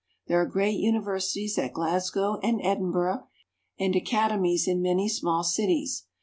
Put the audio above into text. There are great universities at Glasgow and Edinburgh, and academies in many small cities.